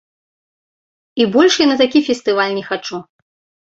І больш я на такі фестываль не хачу.